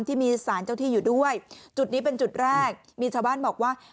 ที่มีสารเจ้าที่อยู่ด้วยจุดนี้เป็นจุดแรกมีชาวบ้านบอกว่า